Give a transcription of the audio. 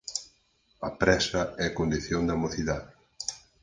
A présa é condición da mocidade.